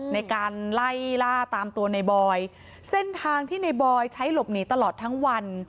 ในการไล่ล่าตามตัวในบอยเส้นทางที่ในบอยใช้หลบหนีตลอดทั้งวัน